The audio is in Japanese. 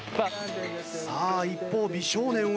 さあ一方美少年は。